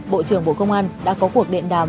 bộ trưởng bộ công an đã có cuộc điện đàm